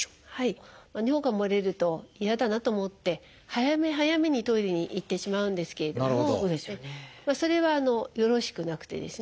尿がもれると嫌だなと思って早め早めにトイレに行ってしまうんですけれどもそれはよろしくなくてですね